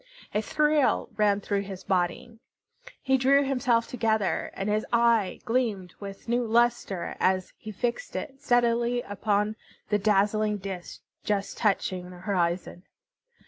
A thrill ran through his body. He drew himself together, and his eye gleamed with new lustre as he fixed it steadily upon the dazzling disk just touching the horizon.